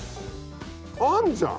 あんじゃん。